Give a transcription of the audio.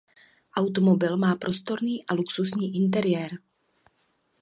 Automobil má prostorný a luxusní interiér.